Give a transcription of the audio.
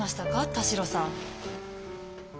田代さん。